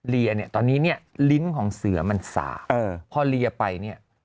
เนี่ยตอนนี้เนี่ยลิ้นของเสือมันสาพอเลียไปเนี่ย